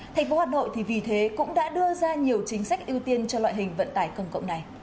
thành phố hà nội thì vì thế cũng đã đưa ra nhiều chính sách ưu tiên cho loại hình vận tải công cộng này